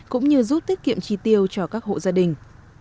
cũng như giúp tiết kiệm chi tiêu cho các hộ gia đình